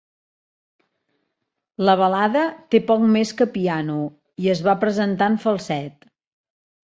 La balada té poc més que piano, i es va presentar en falset.